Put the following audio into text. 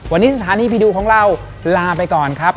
วันนี้สถานีผีดุของเราลาไปก่อนครับ